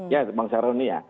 ya bang syaroni ya